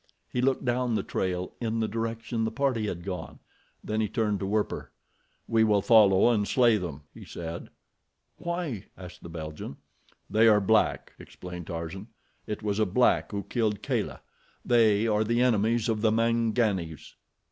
He looked down the trail in the direction the party had gone. Then he turned to Werper. "We will follow and slay them," he said. "Why?" asked the Belgian. "They are black," explained Tarzan. "It was a black who killed Kala. They are the enemies of the Manganis."